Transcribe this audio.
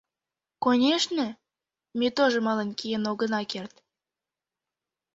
Конешне, ме тоже мален киен огына керт.